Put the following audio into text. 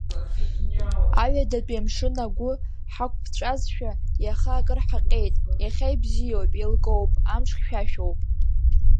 Аҩадатәи амшын агәы ҳақәԥҵәазшәа иаха акыр ҳаҟьеит, иахьа ибзиоуп, еилгоуп, амш хьшәашәоуп.